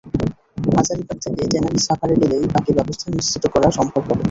হাজারীবাগ থেকে ট্যানারি সাভারে গেলেই বাকি ব্যবস্থা নিশ্চিত করা সম্ভব হবে।